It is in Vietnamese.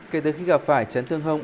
kể từ khi gặp phải chấn thương hông